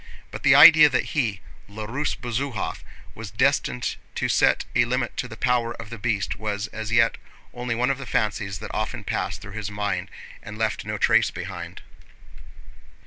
But the idea that he, L'russe Besuhof, was destined to set a limit to the power of the Beast was as yet only one of the fancies that often passed through his mind and left no trace behind.